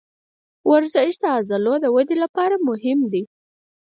ورزش د عضلو د ودې لپاره مهم دی.